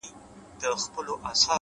اوس مي د زړه كورگى تياره غوندي دى!!